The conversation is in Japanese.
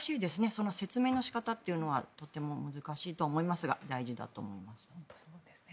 その説明の仕方はとても難しいとは思いますが大事だと思います。